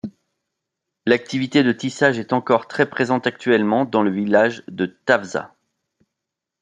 L'activité de tissage est encore très présente actuellement dans le village de Tafza.